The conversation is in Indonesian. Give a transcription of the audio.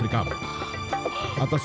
tapi kamu gak tahu apa